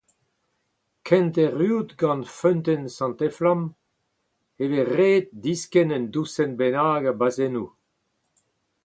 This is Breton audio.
Kent erruout gant feunteun Sant-Eflamm, e vez ret diskenn un dousenn bennak a bazennoù.